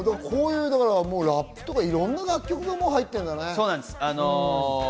ラップとかいろんな楽曲が入ってるんだね。